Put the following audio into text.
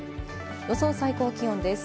予想最高気温です。